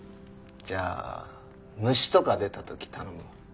じゃあ虫とか出た時頼むわ。